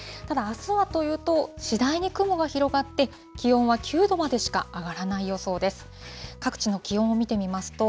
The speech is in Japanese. ただ、あすはというと、次第に雲が広がって、気温は９度までしか上がらない予想です。